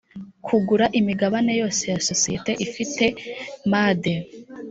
kugura imigabane yose ya sosiyete ifite made